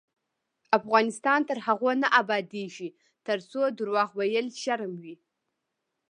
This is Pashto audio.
افغانستان تر هغو نه ابادیږي، ترڅو درواغ ویل شرم وي.